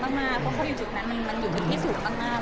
เพราะเขาอยู่จุดนั้นมันอยู่ในที่สูงมาก